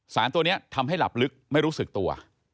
สารตัวนี้ทำให้หลับลึกไม่รู้สึกตัว